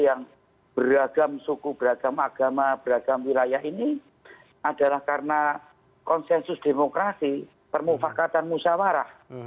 yang beragam suku beragam agama beragam wilayah ini adalah karena konsensus demokrasi permufakatan musyawarah